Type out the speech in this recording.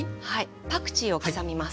パクチーを刻みます。